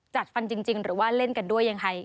จัดฟันจริงหรือว่าเล่นกันด้วยยังไง